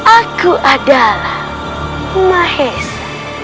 aku adalah mahesa